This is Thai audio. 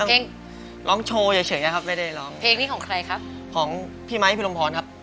เพลงร้องโชว์เฉยอะครับไม่ได้ร้องเพลงนี้ของใครครับของพี่ไมค์พี่ลมพรครับ